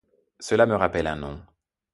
Cela me rappelle un nom...